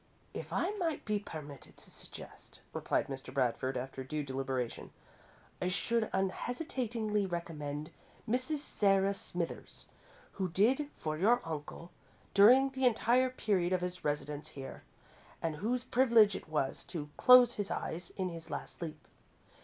"If I might be permitted to suggest," replied Mr. Bradford, after due deliberation, "I should unhesitatingly recommend Mrs. Sarah Smithers, who did for your uncle during the entire period of his residence here and whose privilege it was to close his eyes in his last sleep.